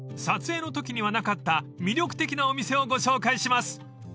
［撮影のときにはなかった魅力的なお店をご紹介します］